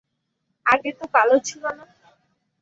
আগে তো কালো ছিল না।